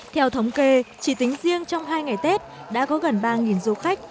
theo thống kê chỉ tính riêng trong hai ngày tết đã có gần ba du khách